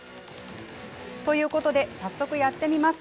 ということで、早速やってみます。